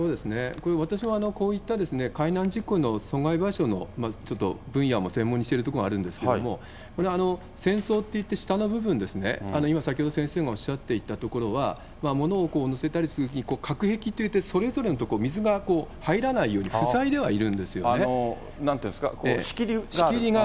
これ、私もこういった海難事故の損害賠償のちょっと分野も専門にしているところもあるんですけれども、これ、船倉っていって下の部分ね、今、先ほど、先生がおっしゃっていた所は、物を載せたりする所、隔壁っていって、それぞれのところ、水がこう、入らないように塞いではいるんですよね。なんていうんですか、仕切りが？